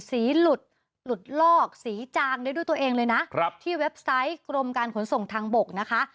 หลุดหลุดลอกสีจางได้ด้วยตัวเองเลยนะครับที่เว็บไซต์กรมการขนส่งทางบกนะคะ